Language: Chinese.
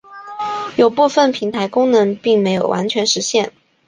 有部分平台功能并没有完全实现。